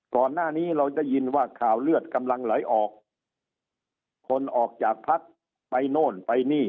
ก่อนหน้านี้เราได้ยินว่าข่าวเลือดกำลังไหลออกคนออกจากพักไปโน่นไปนี่